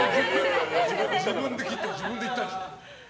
自分で切って自分で言ったでしょ。